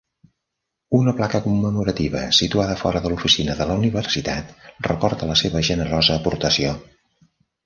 Una placa commemorativa situada fora de l'oficina de la universitat recorda la seva generosa aportació.